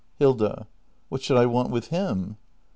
Hilda. What should I want with him